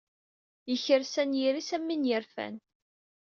Yekres anyir-is am win yerfan.